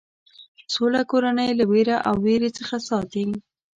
سوله کورنۍ له وېره او وېرې څخه ساتي.